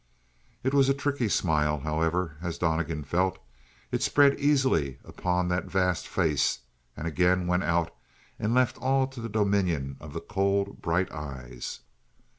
It was a tricky smile, however, as Donnegan felt. It spread easily upon that vast face and again went out and left all to the dominion of the cold, bright eyes.